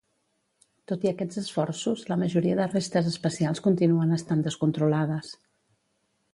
Tot i aquests esforços, la majoria de restes espacials continuen estant descontrolades.